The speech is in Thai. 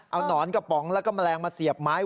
เอานอนกระป๋องแล้วก็แมลงมาเสียบไม้